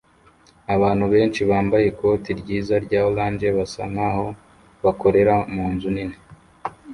Abantu benshi bambaye ikoti ryiza rya orange basa nkaho bakorera munzu nini